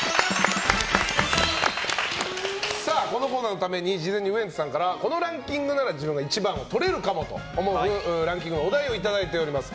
このコーナーのために事前にウエンツさんからこのランキングなら自分は１番をとれるかもと思うランキングのお題をいただいております。